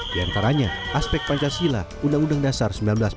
di antaranya aspek pancasila undang undang dasar seribu sembilan ratus empat puluh lima